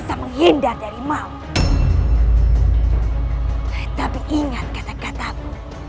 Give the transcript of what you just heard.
aku akan menangkapmu